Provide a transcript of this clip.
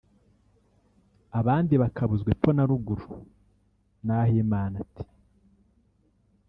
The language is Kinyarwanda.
abandi bakabuzwa epfo na ruguru (Nahimana T